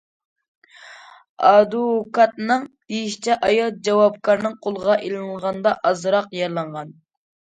ئادۋوكاتنىڭ دېيىشىچە، ئايال جاۋابكارنىڭ قولغا ئېلىنغاندا ئازراق يارىلانغان.